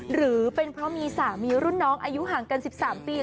หรือเป็นเพราะมีสามีรุ่นน้องอายุห่างกัน๑๓ปี